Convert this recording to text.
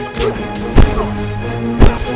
aberta veterinarian antibody